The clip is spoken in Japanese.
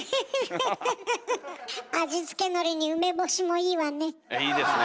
味付けのりに梅干しもいいわね。